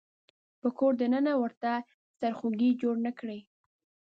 په کور د ننه ورته سرخوږی جوړ نه کړي.